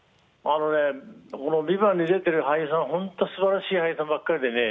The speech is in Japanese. この「ＶＩＶＡＮＴ」に出ている俳優さん、本当に素晴らしい俳優さんばっかりでね